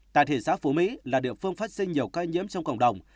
tại thị xã phú mỹ là địa phương phát sinh nhiều ca nhiễm trong cộng đồng